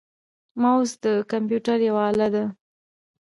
موس د کمپیوټر یوه اله ده.